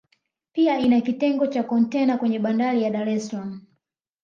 pia ina kitengo cha kontena kwenye Bandari ya Dar es Salaam